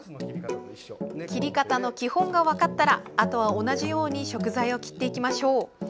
切り方の基本が分かったらあとは同じように食材を切っていきましょう。